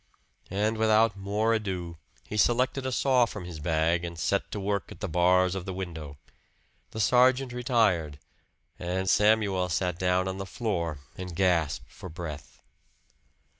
And without more ado he selected a saw from his bag and set to work at the bars of the window. The sergeant retired; and Samuel sat down on the floor and gasped for breath.